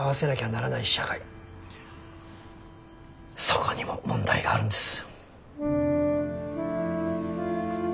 そこにも問題があるんです。